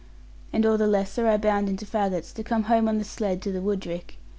And all the lesser I bound in faggots, to come home on the sledd to the woodrick.